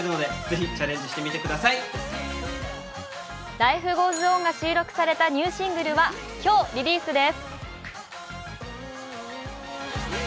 「Ｌｉｆｅｇｏｅｓｏｎ」が収録されたニューシングルは今日リリースです。